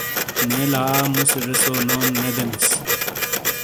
نے لا مُوسے زیسو نوم نے دیمِیس۔